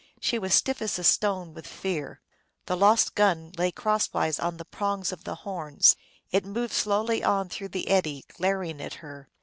She was stiff as a stone with fear. The lost gun lay crosswise on the prongs of the horns. It moved slowly on through the eddy, glaring at her.